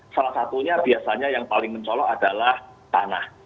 salah satunya biasanya yang paling mencolok adalah tanah